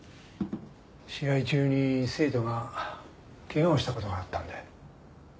試合中に生徒が怪我をした事があったんだ。